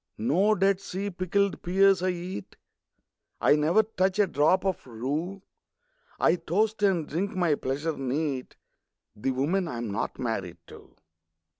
No Dead Sea pickled pears I eat; I never touch a drop of rue; I toast, and drink my pleasure neat, The women I'm not married to!